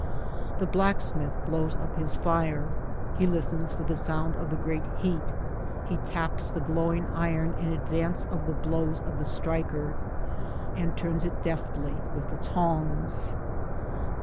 The blacksmith blows up his fire ; he listens for the sound of the great heat He taps the glowing iron in advance of the blows of the striker, and turns it deftly with the tongs.